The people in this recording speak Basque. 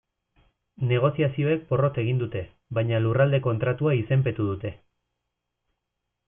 Negoziazioek porrot egin dute, baina Lurralde Kontratua izenpetu dute.